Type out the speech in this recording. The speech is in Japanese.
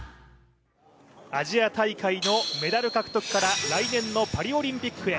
アジア大会のメダル獲得から来年のパリオリンピックへ。